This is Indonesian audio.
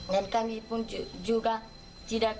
dan kami pun juga tidak patah semangat karena untuk masa depan kami